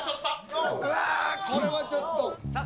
これはちょっと。